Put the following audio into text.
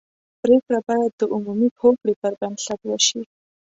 پرېکړه باید د عمومي هوکړې پر بنسټ وشي.